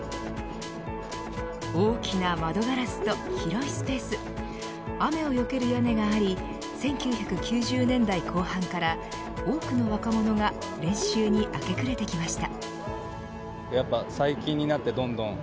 大きな窓ガラスと広いスペース雨をよける屋根があり１９９０年代後半から多くの若者が練習に明け暮れてきました。